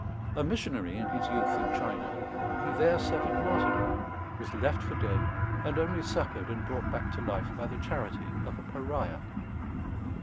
A missionary in his youth in China, he there suffered martyrdom, was left for dead, and only succoured and brought back to life by the charity of a pariah.